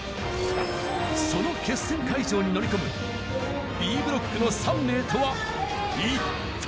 その決戦会場に乗り込むＢブロックの３名とは一体？